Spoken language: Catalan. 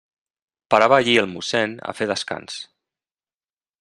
Parava allí el mossén a fer descans.